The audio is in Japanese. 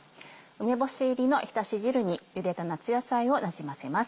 梅干し入りのひたし汁にゆでた夏野菜をなじませます。